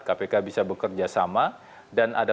kpk bisa bekerjasama dan ada